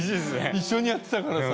一緒にやってたからさ。